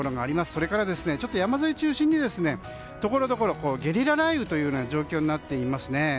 それから山沿いを中心にところどころゲリラ雷雨というような状況になっていますね。